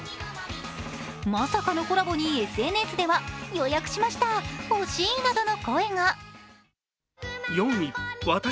まさかのコラボに、ＳＮＳでは予約しました、ほしいなどの声が。